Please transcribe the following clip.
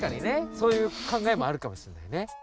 そういう考えもあるかもしれないね。